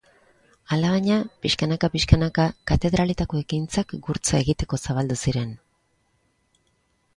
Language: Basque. Alabaina, pixkanaka-pixkanaka katedraletako ekintzak gurtza egiteko zabaldu ziren.